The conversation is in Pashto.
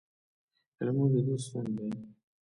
لمونځ د دین ستون دی